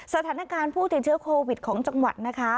สถานการณ์ผู้ติดเชื้อโควิดของจังหวัดนะคะ